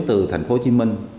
từ thành phố hồ chí minh